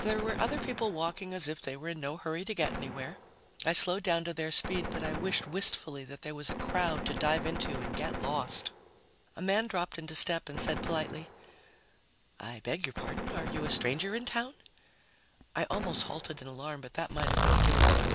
There were other people walking as if they were in no hurry to get anywhere. I slowed down to their speed, but I wished wistfully that there was a crowd to dive into and get lost. A man dropped into step and said politely, "I beg your pardon. Are you a stranger in town?" I almost halted in alarm, but that might have been a giveaway.